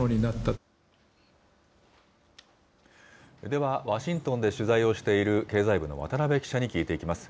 ではワシントンで取材をしている経済部の渡邊記者に聞いていきます。